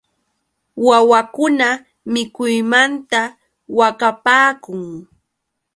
Wawakuna mikuymanta waqapaakun.